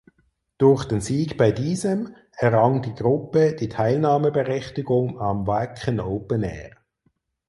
Durch den Sieg bei diesem errang die Gruppe die Teilnahmeberechtigung am Wacken Open Air.